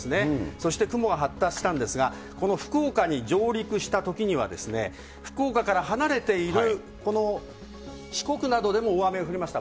そして雲が発達したんですが、この福岡に上陸したときには、福岡から離れている、この四国などでも大雨が降りました。